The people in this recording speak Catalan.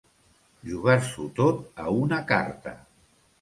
Jugar-s'ho tot a una carta.